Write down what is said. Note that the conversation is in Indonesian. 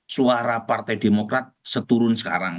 suara partai demokrat seturun sekarang